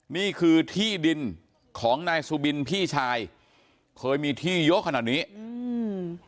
นี่คือที่ดินของนายสุบินพี่ชายเคยมีที่เยอะขนาดนี้อืม